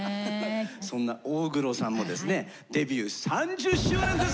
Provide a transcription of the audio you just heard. そんな大黒さんもですねデビュー３０周年です！